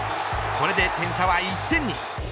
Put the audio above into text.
これで、点差は１点に。